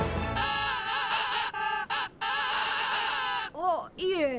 あっいえ。